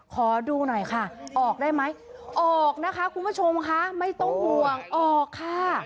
ขอดูหน่อยค่ะออกได้ไหมออกนะคะคุณผู้ชมค่ะไม่ต้องห่วงออกค่ะ